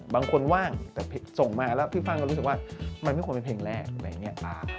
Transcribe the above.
บางคนว่างแต่ส่งมาแล้วพี่ฟ่างก็รู้สึกว่ามันไม่ควรเป็นเพลงแรกอะไรอย่างนี้